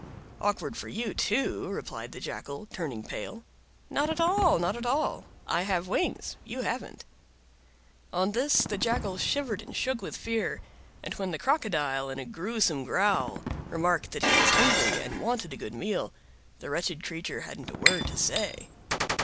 "Awkward for you, too!" replied the Jackal, turning pale. "Not at all! not at all! I have wings, you haven't." On this the Jackal shivered and shook with fear, and when the Crocodile, in a gruesome growl, remarked that he was hungry and wanted a good meal, the wretched creature hadn't a word to say.